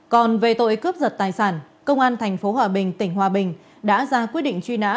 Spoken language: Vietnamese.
còn về tội cướp giật tài sản công an tp hòa bình tỉnh hòa bình đã ra quyết định truy nã